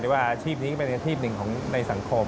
ว่าอาชีพนี้ก็เป็นอาชีพหนึ่งของในสังคม